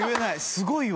すごいわ。